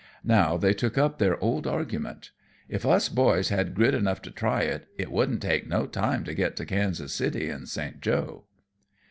Now they took up their old argument. "If us boys had grit enough to try it, it wouldn't take no time to get to Kansas City and St. Joe."